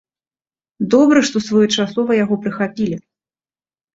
Добра, што своечасова яго прыхапілі.